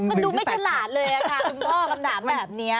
มันดูไม่ฉลาดเลยค่ะคุณพ่อคำถามแบบนี้